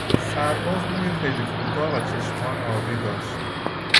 سرباز موی خیلی کوتاه و چشمان آبی داشت.